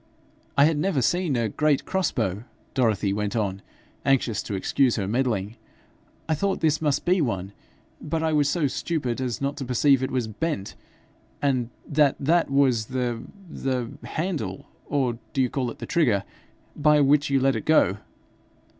'I had never seen a great cross bow,' Dorothy went on, anxious to excuse her meddling. 'I thought this must be one, but I was so stupid as not to perceive it was bent, and that that was the the handle or do you call it the trigger? by which you let it go.'